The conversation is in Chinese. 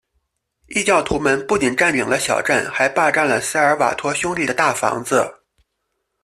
异教徒们不仅占领了小镇还霸占了塞尔瓦托兄弟的大房子。